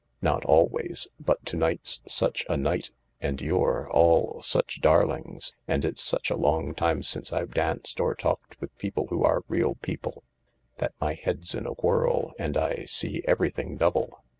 "Not always. But to night's such a night — and you're all such darlings, and it's such a long time since I've danced or talked with people who are real people, that my head's in a whirl and I see everything double.